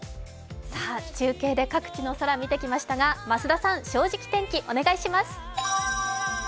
中継で各地の空見てきましたが、増田さん、「正直天気」お願いします。